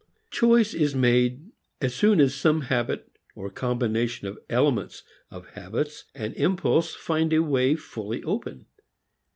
Choice is made as soon as some habit, or some combination of elements of habits and impulse, finds a way fully open.